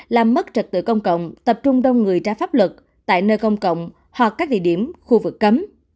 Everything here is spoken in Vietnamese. làm mất trật tự công cộng tập trung đông người trái pháp luật tại nơi công cộng hoặc các địa điểm khu vực cấm